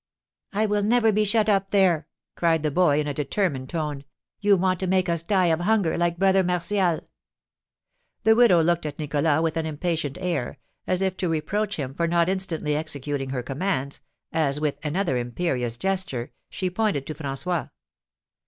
"I will never be shut up there!" cried the boy, in a determined tone. "You want to make us die of hunger, like Brother Martial." The widow looked at Nicholas with an impatient air, as if to reproach him for not instantly executing her commands, as, with another imperious gesture, she pointed to François.